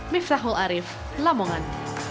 mifrahul arif lamongan